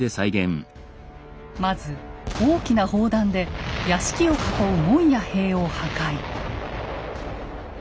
まず大きな砲弾で屋敷を囲う門や塀を破壊。